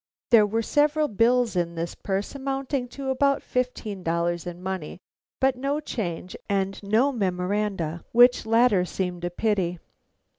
There were several bills in this purse, amounting to about fifteen dollars in money, but no change and no memoranda, which latter seemed a pity.